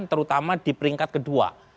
terutama di peringkat kedua